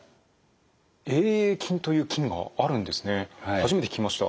初めて聞きました。